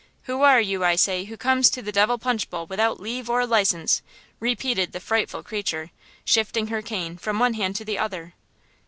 "Who are you, I say, who comes to the Devil's Punch Bowl without leave or license?" repeated the frightful creature, shifting her cane from one hand to the other.